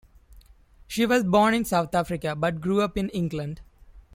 She was born in South Africa, but grew up in England.